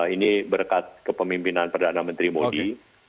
ini berkat kepemimpinan perdana menteri modi